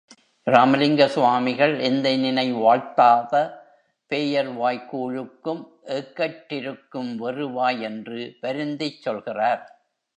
இராமலிங்க சுவாமிகள், எந்தைநினை வாழ்த்தாத பேயர்வாய் கூழுக்கும் ஏக்கற் றிருக்கும்வெறு வாய் என்று வருந்திச் சொல்கிறார்.